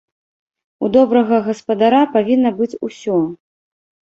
У добрага гаспадара павінна быць усё.